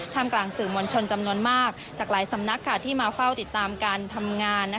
กลางสื่อมวลชนจำนวนมากจากหลายสำนักที่มาเฝ้าติดตามการทำงาน